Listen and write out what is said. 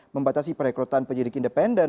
membatasi perekrutan penyidik independen